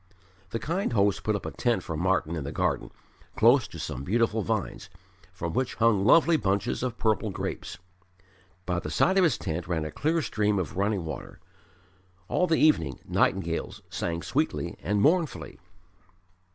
The kind host put up a tent for Martyn in the garden, close to some beautiful vines, from which hung lovely bunches of purple grapes. By the side of his tent ran a clear stream of running water. All the evening nightingales sang sweetly and mournfully.